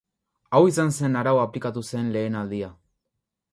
Hau izan zen araua aplikatu zen lehen aldia.